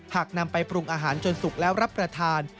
หากนำไปปรุงอาหารจนสุกแล้วรับประทาน